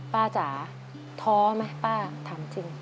จ๋าท้อไหมป้าถามจริง